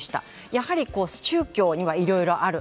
やはり、宗教にはいろいろある。